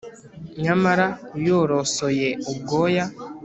Nyamara uyorosoye ubwoya,